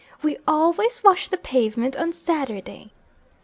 "We always wash the pavement on Sathurday."